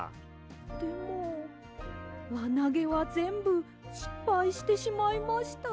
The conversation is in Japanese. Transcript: でもわなげはぜんぶしっぱいしてしまいました。